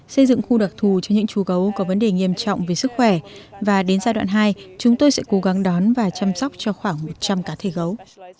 xây dựng khu đặc thù cho những chú gấu có vấn đề nghiêm trọng về sức khỏe và đến giai đoạn hai chúng tôi sẽ cố gắng đón và chăm sóc cho khoảng một trăm linh cá thể gấu